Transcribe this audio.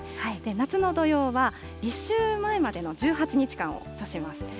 夏の土用は、２週前までの１８日間を指します。